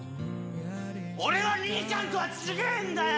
俺は兄ちゃんとは違えんだよ！